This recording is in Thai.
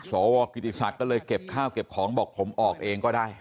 สวกิติศักดิ์ก็เลยเก็บข้าวเก็บของบอกผมออกเองก็ได้